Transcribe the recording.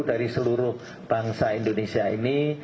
dari seluruh bangsa indonesia ini